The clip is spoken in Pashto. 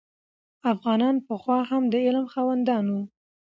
افغانان پخوا هم د علم خاوندان وو.